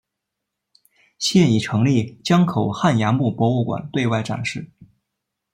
现已成立江口汉崖墓博物馆对外展示。